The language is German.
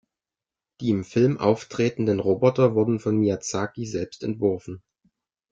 Die im Film auftretenden Roboter wurden von Miyazaki selbst entworfen.